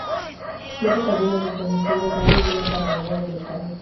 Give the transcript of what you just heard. Siete cabinas de transmisión de radio y una para la voz del estadio.